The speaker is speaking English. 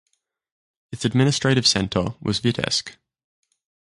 Its administrative centre was Vitebsk.